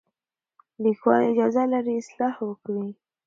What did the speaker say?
لیکوال اجازه لري اصلاح وکړي.